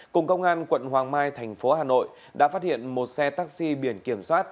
cùng công an quận hoàng mai thành phố hà nội đã phát hiện một xe taxi biển kiểm soát hai mươi chín e hai chín mươi bốn